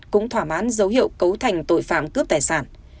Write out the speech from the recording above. cũng thỏa mãn dấu hiệu cấu thành tội phạm cướp tài sản